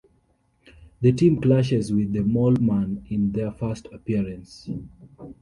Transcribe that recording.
The team clashes with the Mole Man in their first appearance.